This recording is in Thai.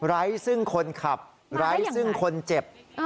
ไร้ซึ่งคนขับไร้ซึ่งคนเจ็บอ่า